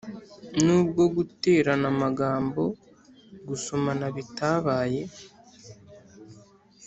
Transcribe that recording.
nubwo guterana amagambo gusomana bitabaye